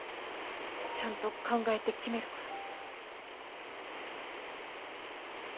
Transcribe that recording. ちゃんと考えて決めるから。